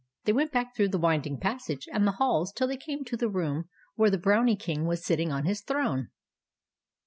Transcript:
They went back through the wind ing passage and the halls till they came to the room where the Brownie King was sitting on his throne.